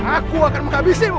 aku akan menghabisimu